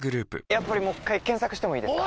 やっぱりもう一回検索してもいいですか？